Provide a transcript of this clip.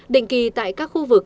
định kỳ tại các khu vực